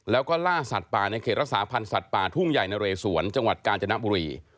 แล้วก็ล่าสัตว์ป่าในเขตรักษาพันธ์สัตว์ป่าทุ่งใหญ่นะเรสวนจังหวัดกาญจนบุรี